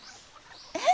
えっ？